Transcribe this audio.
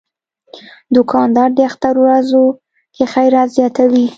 دوکاندار د اختر ورځو کې خیرات زیاتوي.